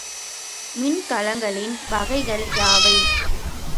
மின்கலங்களின் வகைகள் யாவை?